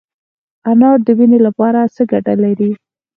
انار د وینې لپاره څه ګټه لري؟